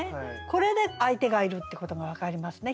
これで相手がいるってことが分かりますね。